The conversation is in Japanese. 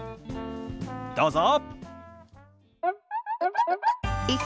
どうぞ。